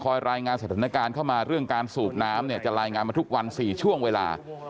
รายงานสถานการณ์เข้ามาเรื่องการสูบน้ำเนี่ยจะรายงานมาทุกวัน๔ช่วงเวลา